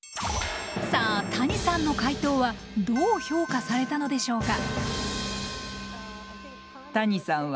さあ谷さんの解答はどう評価されたのでしょうか？